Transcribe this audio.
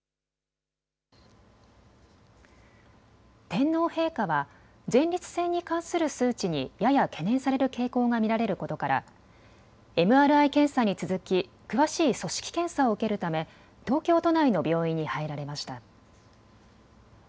天皇陛下は前立腺に関する数値にやや懸念される傾向が見られることからＭＲＩ検査に続き詳しい組織検査を受けるため東京都内の病院に入られました。